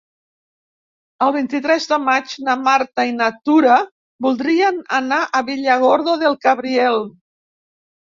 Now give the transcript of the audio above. El vint-i-tres de maig na Marta i na Tura voldrien anar a Villargordo del Cabriel.